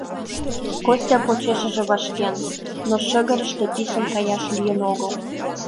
Костя почешыже вашкен, но шыгырыште писын каяш лийын огыл.